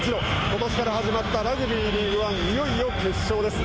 ことしから始まったラグビーリーグワンいよいよ決勝です。